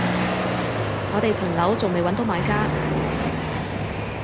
我哋層樓仲未搵到買家